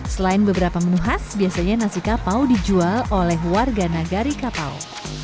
selain beberapa menu khas biasanya nasi kapau dijual oleh warga nagari kapau